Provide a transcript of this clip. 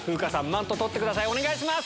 お願いします。